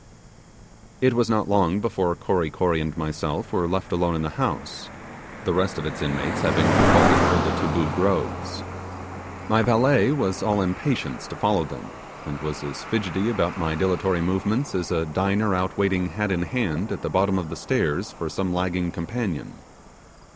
It was not long before Kory Kory and myself were left alone in the house, the rest of its inmates having departed for the Taboo Groves. My valet was all impatience to follow them; and was as fidgety about my dilatory movements as a diner out waiting hat in hand at the bottom of the stairs for some lagging companion.